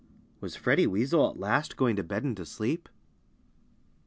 Was Freddie Weasel at last going to bed and to sleep?